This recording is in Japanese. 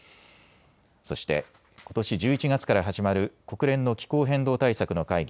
そしてことし１１月から始まる国連の気候変動対策の会議